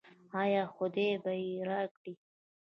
آیا خدای به یې راکړي؟